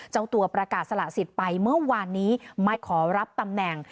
เจ้าตัวประกาศสละสิทธิ์ไปเมื่อวานนี้ไม่ขอรับตำแหน่ง